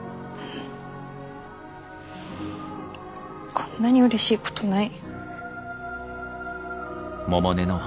こんなにうれしいことない。